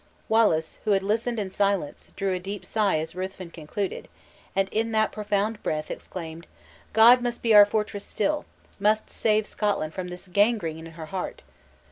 Wallace, who had listened in silence, drew a deep sigh as Ruthven concluded; and, in that profound breath, exclaimed "God must be our fortress still; must save Scotland from this gangrene in her heart!